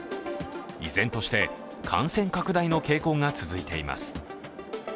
依然として感染拡大の傾向が続いています。